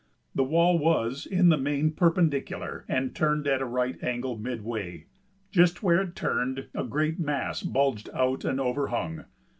The wall was in the main perpendicular, and turned at a right angle midway. Just where it turned, a great mass bulged out and overhung.